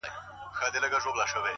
وخت د ژوند د ارزښت اندازه ده’